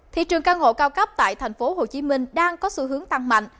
thị trường căn hộ cao cấp tại thành phố hồ chí minh đang có xu hướng tăng mạnh